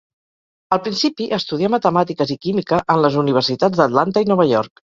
Al principi estudià matemàtiques i química en les Universitats d'Atlanta i Nova York.